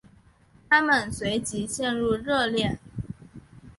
他们随即陷入热恋。